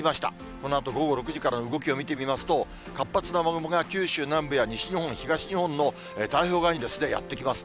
このあと午後６時からの動きを見てみますと、活発な雨雲が九州南部や西日本、東日本の太平洋側にやって来ます。